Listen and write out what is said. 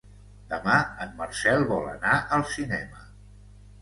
Demà en Marcel vol anar al cinema.